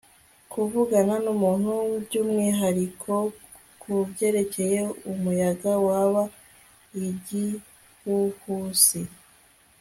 kuvugana numuntu byumwiharikokubyerekeye umuyaga wabaye igihuhusi